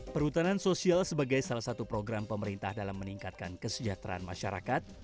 perhutanan sosial sebagai salah satu program pemerintah dalam meningkatkan kesejahteraan masyarakat